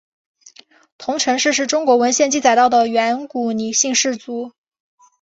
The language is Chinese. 彤城氏是中国文献记载到的远古姒姓氏族。